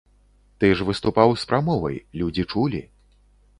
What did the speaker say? Ты ж выступаў з прамовай, людзі чулі.